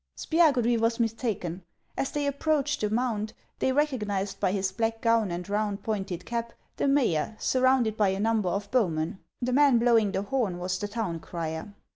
Spiagudry was mistaken. As they approached the mound they recognized by his black gown and round, pointed cap, the mayor, surrounded by a number of bow men. The man blowing the horn was the town crier.